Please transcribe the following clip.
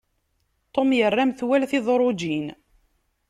Tom yerra metwal tidrujin.